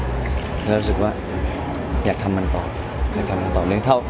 แล้วเรารู้สึกว่าอยากทำมันต่ออยากทำมันต่อเนี้ย